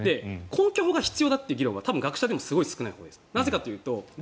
根拠法が必要という議論は学者でもすごく少ないです。